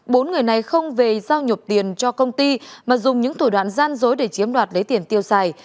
bốn người này không về giao nhộp tiền cho công ty mà dùng những thủ đoạn gian dối để chiếm đoạt lấy tiền tiêu xài